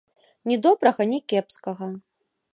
Ні добрага, ні кепскага.